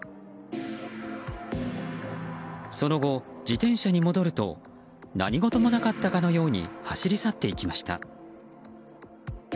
その後、自転車に戻ると何事もなかったかのように走り去っていきました。